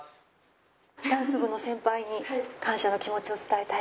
ダンス部の先輩に感謝の気持ちを伝えたい？